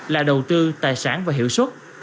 là đầu tư tài sản và hiệu suất